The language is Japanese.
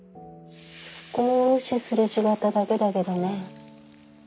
少し擦れ違っただけだけどね。